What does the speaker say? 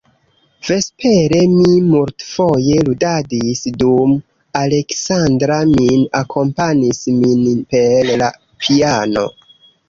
Vespere mi multfoje ludadis, dum Aleksandra min akompanis min per la piano.